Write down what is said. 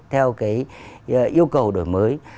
theo cái yêu cầu đổi mới